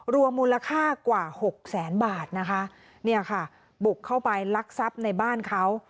รวมมูลค่ากว่าหกแสนบาทนะคะเนี่ยค่ะบุกเข้าไปลักทรัพย์ในบ้านเขา